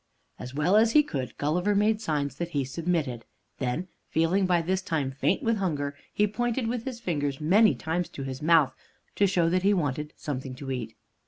As well as he could, Gulliver made signs that he submitted. Then, feeling by this time faint with hunger, he pointed with his fingers many times to his mouth, to show that he wanted something to eat.